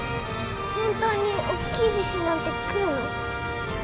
本当におっきい地震なんて来るの？